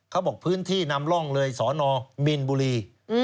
พื้นที่นำร่องเลยสนมีนบุรี